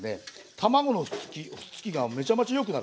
卵のくっつきがめちゃめちゃよくなるんです。